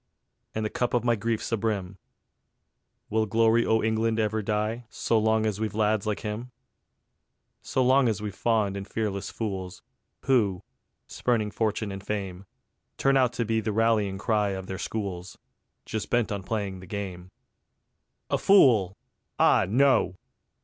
And the cup of my grief's abrim. Will Glory o' England ever die So long as we've lads like him? So long as we've fond and fearless fools, Who, spurning fortune and fame, Turn out with the rallying cry of their schools, Just bent on playing the game. A fool! Ah no!